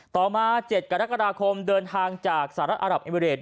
ต่อมา๗กรกฎาคมเดินทางจากสหรัฐอารับเอมิเรด